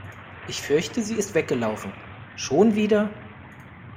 Ich fürchte sie ist weggelaufen. Schon wieder?